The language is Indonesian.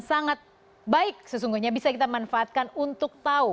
sangat baik sesungguhnya bisa kita manfaatkan untuk tahu